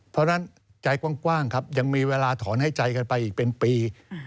เพราะฉะนั้นใจกว้างครับยังมีเวลาถอนให้ใจกันไปอีกเป็นปี